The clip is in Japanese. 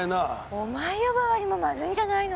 お前呼ばわりもまずいんじゃないの？